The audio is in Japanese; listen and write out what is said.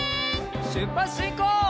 しゅっぱつしんこう！